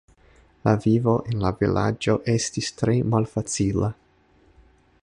La vivo en la vilaĝo estis tre malfacila.